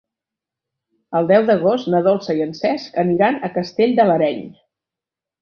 El deu d'agost na Dolça i en Cesc aniran a Castell de l'Areny.